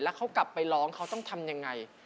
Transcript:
แล้วเขากลับไปร้องเขาต้องทำยังไง